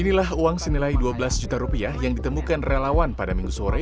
inilah uang senilai dua belas juta rupiah yang ditemukan relawan pada minggu sore